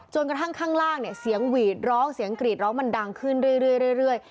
กระทั่งข้างล่างเนี่ยเสียงหวีดร้องเสียงกรีดร้องมันดังขึ้นเรื่อย